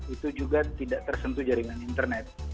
itu juga tidak tersentuh jaringan internet